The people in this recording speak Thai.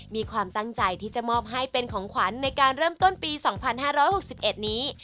มีความตั้งใจที่จะมอบให้เป็นของขวัญในการเริ่มต้นปี๒๕๖๑นี้